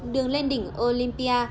đường lên đỉnh olympia